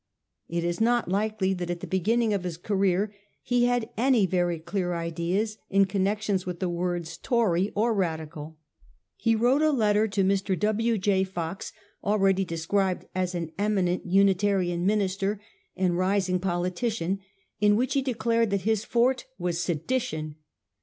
It is not likely that at the beginning of his career he had any very clear ideas in connection with the words Tory or Radical. He wrote a letter to Mr. W. J. Fox, already described as an eminent Unitarian minister and rising politician, in which he declared that his forte was sedition.